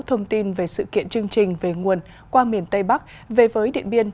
thông tin về sự kiện chương trình về nguồn qua miền tây bắc về với điện biên